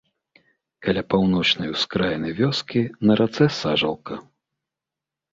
Каля паўночнай ускраіны вёскі на рацэ сажалка.